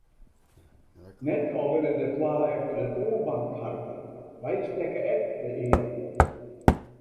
Net allinne de twa efter de toanbank harkje, wy stekke ek de earen op.